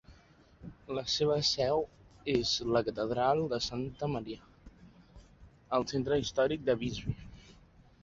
La seva seu és la catedral de Sankta Maria al centre històric de Visby.